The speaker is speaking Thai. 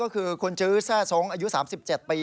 คุณจุซ่าสงอายุ๓๗ปี